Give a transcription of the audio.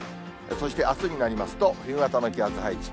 そしてあすになりますと、冬型の気圧配置。